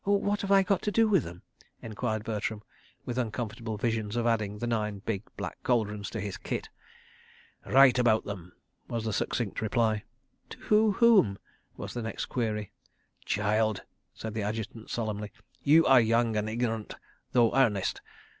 "What have I got to do with them?" enquired Bertram, with uncomfortable visions of adding the nine big black cauldrons to his kit. "Write about them," was the succinct reply. "To whom?" was the next query. "Child," said the Adjutant solemnly, "you are young and ignorant, though earnest.